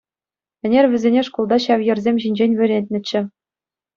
Ӗнер вӗсене шкулта ҫав йӗрсем ҫинчен вӗрентнӗччӗ.